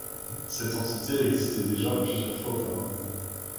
Cette entité existait déjà plusieurs fois auparavant.